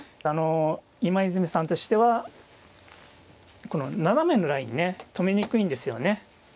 今泉さんとしてはこの斜めのラインね止めにくいんですよね。